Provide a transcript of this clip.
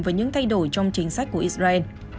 với những thay đổi trong chính sách của israel